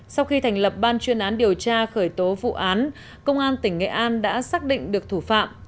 sau khi thành lập ban chuyên án điều tra khởi tố vụ án công an tỉnh nghệ an đã xác định được thủ phạm